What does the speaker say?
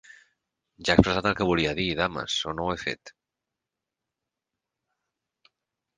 Ja he expressat el que volia dir, dames, o no ho he fet?